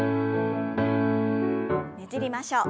ねじりましょう。